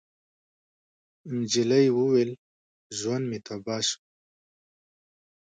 نجلۍ وويل: ژوند مې تباه شو.